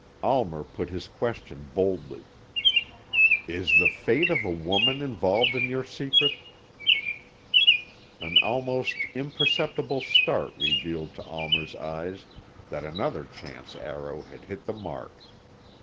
Almer put his question boldly. "Is the fate of a woman involved in your secret?" An almost imperceptible start revealed to Almer's eyes that another chance arrow had hit the mark.